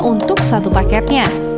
untuk sulam bedak